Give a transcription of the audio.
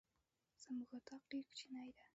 زمونږ اطاق ډير کوچنی ده.